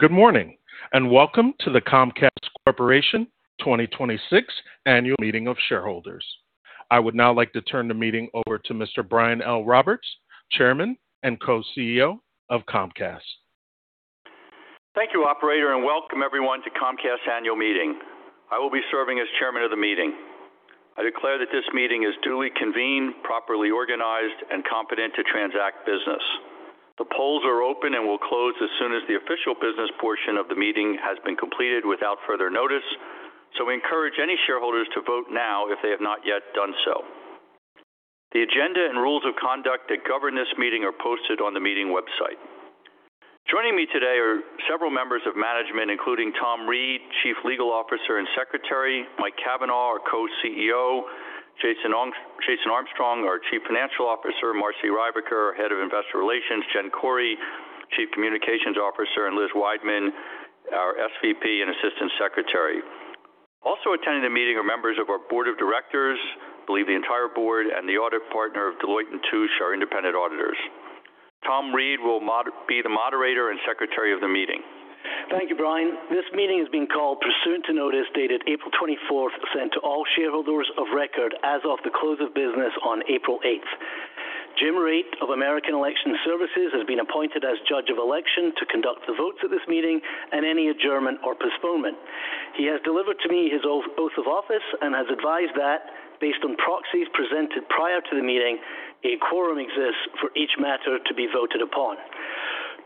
Good morning, welcome to the Comcast Corporation 2026 annual meeting of shareholders. I would now like to turn the meeting over to Mr. Brian L. Roberts, Chairman and Co-CEO of Comcast. Thank you, operator, welcome everyone to Comcast Annual Meeting. I will be serving as Chairman of the meeting. I declare that this meeting is duly convened, properly organized, and competent to transact business. The polls are open and will close as soon as the official business portion of the meeting has been completed without further notice, we encourage any shareholders to vote now if they have not yet done so. The agenda and rules of conduct that govern this meeting are posted on the meeting website. Joining me today are several members of management, including Tom Reid, Chief Legal Officer and Secretary, Mike Cavanagh, our Co-CEO, Jason Armstrong, our Chief Financial Officer, Marci Rybicker, Head of Investor Relations, Jen Khoury, Chief Communications Officer, and Liz Wideman, our SVP and Assistant Secretary. Also attending the meeting are members of our Board of Directors, believe the entire Board and the audit partner of Deloitte & Touche LLP, our independent auditors. Tom Reid will be the moderator and Secretary of the meeting. Thank you, Brian. This meeting has been called pursuant to notice dated April 24th, sent to all shareholders of record as of the close of business on April 8th. Jim Raitt of American Election Services has been appointed as judge of election to conduct the votes at this meeting and any adjournment or postponement. He has delivered to me his oath of office and has advised that, based on proxies presented prior to the meeting, a quorum exists for each matter to be voted upon.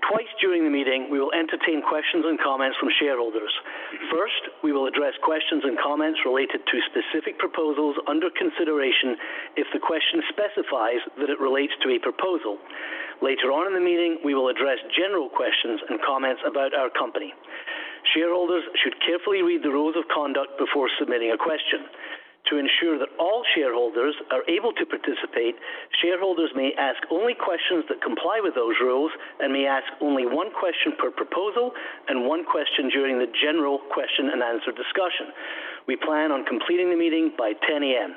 Twice during the meeting, we will entertain questions and comments from shareholders. First, we will address questions and comments related to specific proposals under consideration if the question specifies that it relates to a proposal. Later on in the meeting, we will address general questions and comments about our company. Shareholders should carefully read the rules of conduct before submitting a question. To ensure that all shareholders are able to participate, shareholders may ask only questions that comply with those rules and may ask only one question per proposal and one question during the general question-and-answer discussion. We plan on completing the meeting by 10:00 A.M.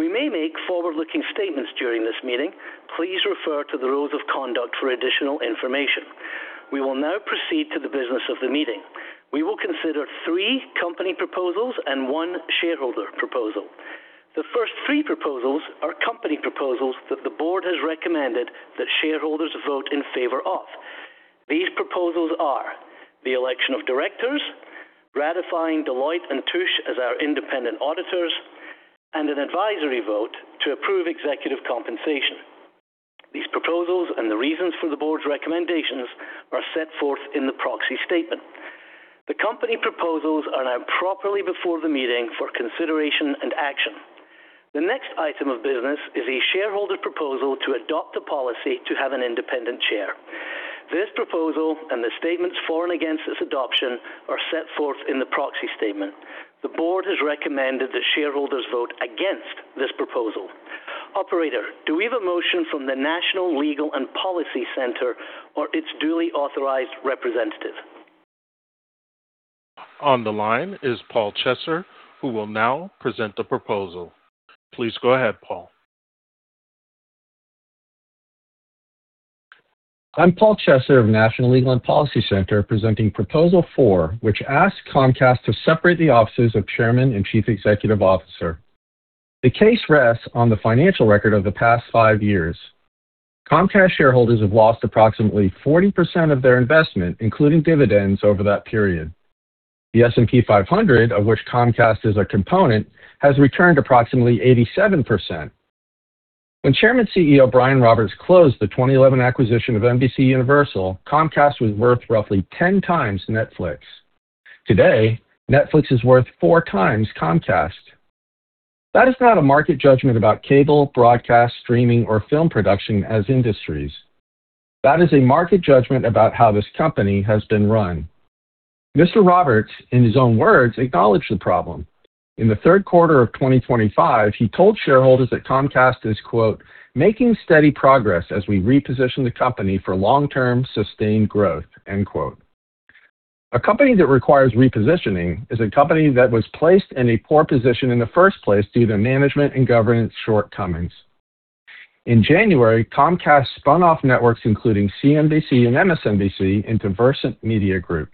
We may make forward-looking statements during this meeting. Please refer to the rules of conduct for additional information. We will now proceed to the business of the meeting. We will consider three company proposals and one shareholder proposal. The first three proposals are company proposals that the Board has recommended that shareholders vote in favor of. These proposals are the election of directors, ratifying Deloitte & Touche as our independent auditors, and an advisory vote to approve executive compensation. These proposals and the reasons for the Board's recommendations are set forth in the proxy statement. The company proposals are now properly before the meeting for consideration and action. The next item of business is a shareholder proposal to adopt a policy to have an Independent Chair. This proposal and the statements for and against its adoption are set forth in the proxy statement. The board has recommended that shareholders vote against this proposal. Operator, do we have a motion from the National Legal and Policy Center or its duly authorized representative? On the line is Paul Chesser, who will now present the proposal. Please go ahead, Paul. I'm Paul Chesser of National Legal and Policy Center, presenting Proposal Four, which asks Comcast to separate the offices of Chairman and Chief Executive Officer. The case rests on the financial record of the past five years. Comcast shareholders have lost approximately 40% of their investment, including dividends, over that period. The S&P 500, of which Comcast is a component, has returned approximately 87%. When Chairman CEO Brian Roberts closed the 2011 acquisition of NBCUniversal, Comcast was worth roughly 10 times Netflix. Today, Netflix is worth four times Comcast. That is not a market judgment about cable, broadcast, streaming, or film production as industries. That is a market judgment about how this company has been run. Mr. Roberts, in his own words, acknowledged the problem. In the third quarter of 2025, he told shareholders that Comcast is, quote, "making steady progress as we reposition the company for long-term sustained growth." End quote. A company that requires repositioning is a company that was placed in a poor position in the first place due to management and governance shortcomings. In January, Comcast spun off networks including CNBC and MSNBC into Versant Media Group.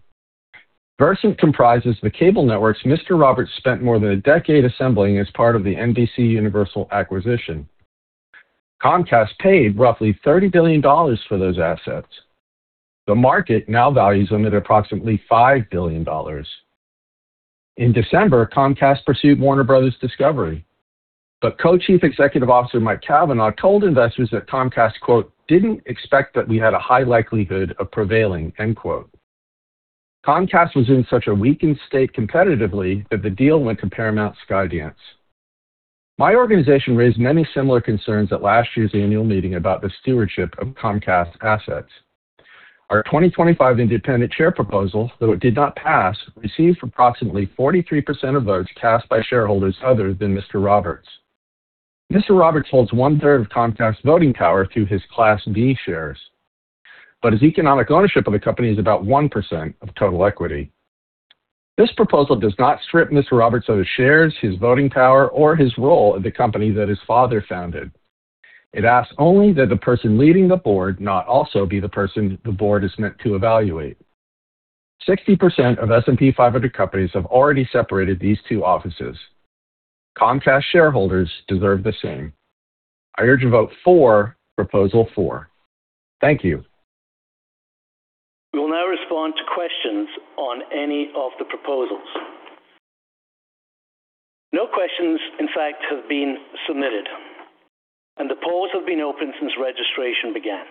Versant comprises the cable networks Mr. Roberts spent more than a decade assembling as part of the NBCUniversal acquisition. Comcast paid roughly $30 billion for those assets. The market now values them at approximately $5 billion. In December, Comcast pursued Warner Bros. Discovery. Co-Chief Executive Officer Mike Cavanagh told investors that Comcast, quote, "didn't expect that we had a high likelihood of prevailing." End quote. Comcast was in such a weakened state competitively that the deal went to Paramount and Skydance. My organization raised many similar concerns at last year's annual meeting about the stewardship of Comcast assets. Our 2025 independent chair proposal, though it did not pass, received approximately 43% of votes cast by shareholders other than Mr. Roberts. Mr. Roberts holds one-third of Comcast voting power through his Class B shares. His economic ownership of the company is about 1% of total equity. This proposal does not strip Mr. Roberts of his shares, his voting power, or his role at the company that his father founded. It asks only that the person leading the board not also be the person the board is meant to evaluate. 60% of S&P 500 companies have already separated these two offices. Comcast shareholders deserve the same. I urge a vote for Proposal Four. Thank you. We will now respond to questions on any of the proposals. No questions, in fact, have been submitted, and the polls have been open since registration began.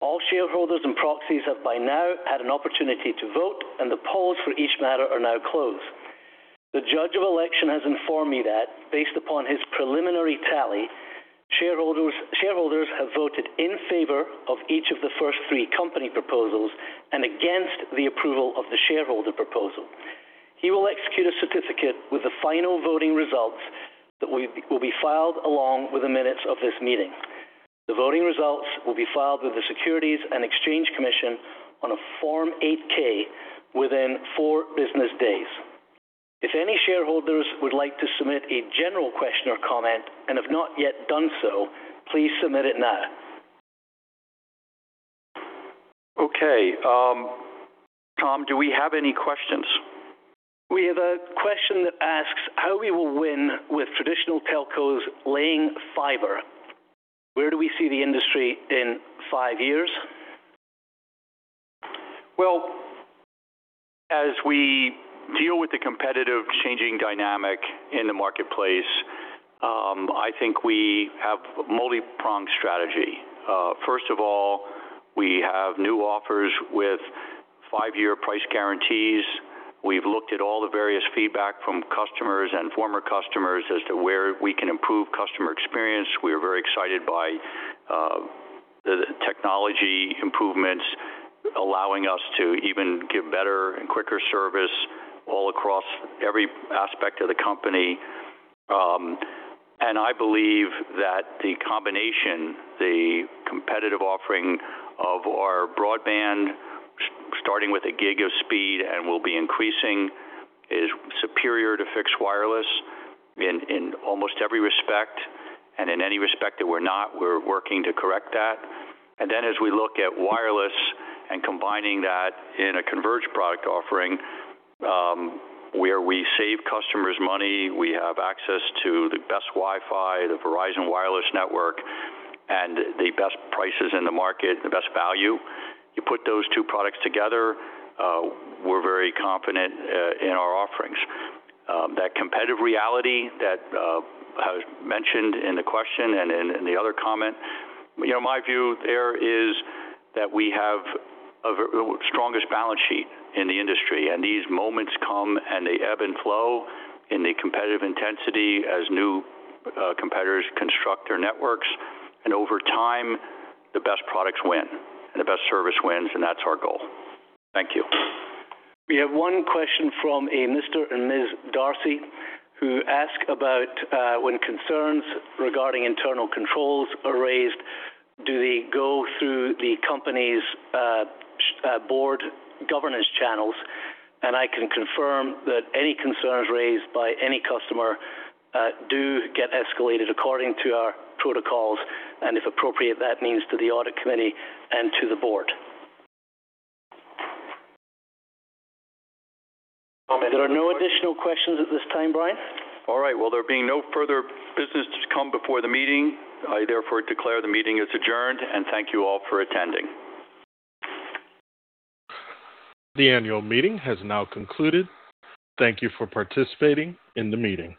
All shareholders and proxies have by now had an opportunity to vote, and the polls for each matter are now closed. The judge of election has informed me that based upon his preliminary tally, shareholders have voted in favor of each of the first three company proposals and against the approval of the shareholder proposal. He will execute a certificate with the final voting results that will be filed along with the minutes of this meeting. The voting results will be filed with the Securities and Exchange Commission on a Form 8-K within four business days. If any shareholders would like to submit a general question or comment and have not yet done so, please submit it now. Okay. Tom, do we have any questions? We have a question that asks how we will win with traditional telcos laying fiber. Where do we see the industry in five years? Well, as we deal with the competitive changing dynamic in the marketplace, I think we have a multi-pronged strategy. First of all, we have new offers with five-year price guarantees. We've looked at all the various feedback from customers and former customers as to where we can improve customer experience. We are very excited by the technology improvements allowing us to even give better and quicker service all across every aspect of the company. I believe that the combination, the competitive offering of our broadband, starting with a gig of speed and will be increasing, is superior to fixed wireless in almost every respect. In any respect that we're not, we're working to correct that. As we look at wireless and combining that in a converged product offering, where we save customers money, we have access to the best Wi-Fi, the Verizon Wireless network, and the best prices in the market, the best value. You put those two products together, we're very confident in our offerings. That competitive reality that was mentioned in the question and in the other comment, my view there is that we have the strongest balance sheet in the industry, these moments come, and they ebb and flow in the competitive intensity as new competitors construct their networks. Over time, the best products win, and the best service wins, and that's our goal. Thank you. We have one question from a Mr. and Ms. Darcy, who ask about when concerns regarding internal controls are raised, do they go through the company's Board governance channels? I can confirm that any concerns raised by any customer do get escalated according to our protocols, and if appropriate, that means to the audit committee and to the Board. There are no additional questions at this time, Brian. All right. Well, there being no further business to come before the meeting, I therefore declare the meeting is adjourned, and thank you all for attending. The annual meeting has now concluded. Thank you for participating in the meeting.